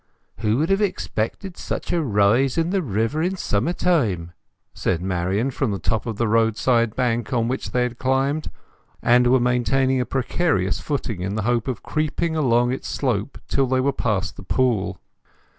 "Who would have expected such a rise in the river in summer time!" said Marian, from the top of the roadside bank on which they had climbed, and were maintaining a precarious footing in the hope of creeping along its slope till they were past the pool.